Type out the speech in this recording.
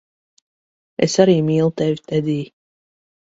Es arī mīlu tevi, Tedij.